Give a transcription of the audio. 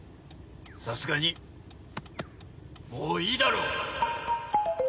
さすがにもういいだろう。